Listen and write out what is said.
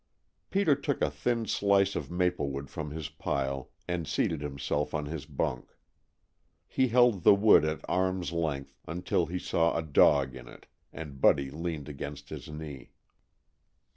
Peter took a thin slice of maplewood from his pile, and seated himself on his bunk. He held the wood at arm's length until he saw a dog in it, and Buddy leaned against his knee.